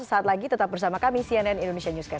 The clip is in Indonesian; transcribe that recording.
sesaat lagi tetap bersama kami cnn indonesia newscast